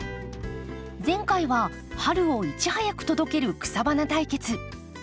前回は春をいち早く届ける草花対決。